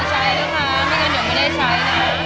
ตัวช่วยมี๓ตัว